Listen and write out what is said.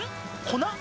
粉？